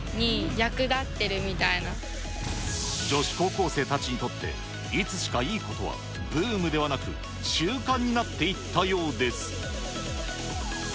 女子高校生たちにとって、いつしかいいことはブームではなく、習慣になっていったようです。